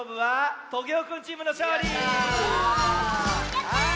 やった！